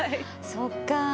そっか。